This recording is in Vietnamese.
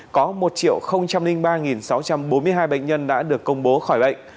có một ba sáu trăm bốn mươi hai bệnh nhân đã được công bố khỏi bệnh